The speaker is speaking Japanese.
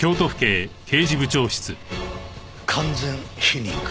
完全否認か。